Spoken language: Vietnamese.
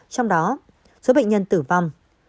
trong đó số bệnh nhân tử vong